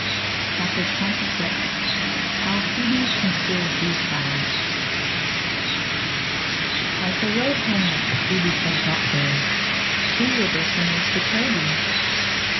CHAPTER XXVI HOW PHOEBE'S CONSPIRACY TRIUMPHED As they rode homeward Phoebe said thoughtfully: "Who will break the news to Toby?"